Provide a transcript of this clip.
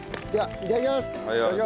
いただきます。